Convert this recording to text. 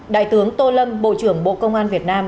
đại tướng tô lâm bộ trưởng bộ công an việt nam